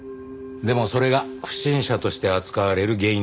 でもそれが不審者として扱われる原因になったようです。